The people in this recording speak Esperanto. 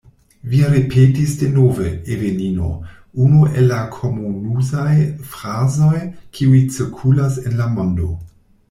Vi ripetis denove, Evelino, unu el la komunuzaj frazoj, kiuj cirkulas en la mondo.